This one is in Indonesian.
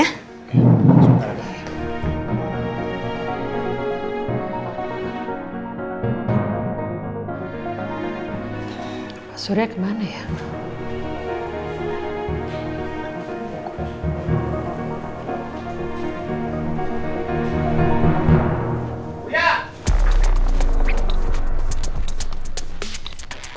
pak suri kemana ya